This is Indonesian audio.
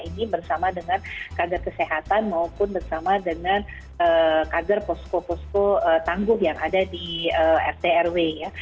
ini bersama dengan kader kesehatan maupun bersama dengan kader posko posko tangguh yang ada di rt rw ya